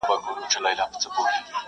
بوډا کیسې په دې قلا کي د وختونو کوي-